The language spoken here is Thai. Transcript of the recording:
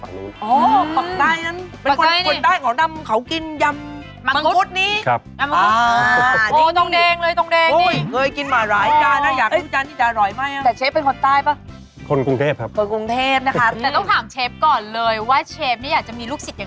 เดี๋ยวขอรูปฟิล์มให้กันเลยครับค่ะโอเคครับขอบคุณมากค่ะ